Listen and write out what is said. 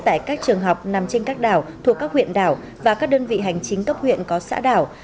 tại các trường học nằm trên các đảo thuộc các huyện đảo và các đơn vị hành chính cấp huyện có xã đảo